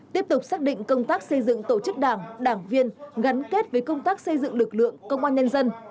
tiếp tục xác định công tác xây dựng tổ chức đảng đảng viên gắn kết với công tác xây dựng lực lượng công an nhân dân